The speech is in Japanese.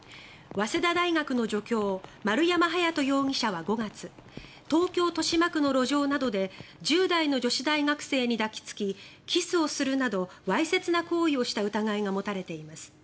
早稲田大学の助教丸山隼人容疑者は５月東京・豊島区の路上などで１０代の女子大学生に抱きつきキスをするなどわいせつな行為をした疑いが持たれています。